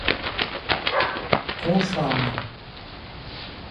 Conchal